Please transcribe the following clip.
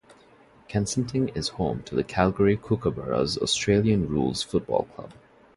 Kensington is home to the Calgary Kookaburras Australian rules football club.